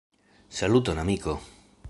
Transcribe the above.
Saluton, amiko!